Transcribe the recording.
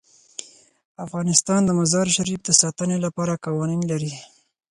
افغانستان د مزارشریف د ساتنې لپاره قوانین لري.